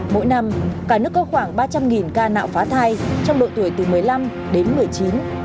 mỗi năm cả nước có khoảng ba trăm linh ca nạo phá thai trong độ tuổi từ một mươi năm đến một mươi chín